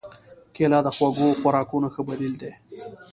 کېله د خوږو خوراکونو ښه بدیل دی.